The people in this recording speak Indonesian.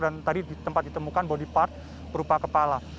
dan tadi di tempat ditemukan body part berupa kepala